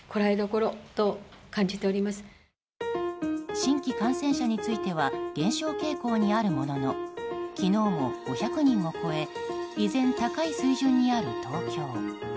新規感染者については減少傾向にあるものの昨日も５００人を超え依然高い水準にある東京。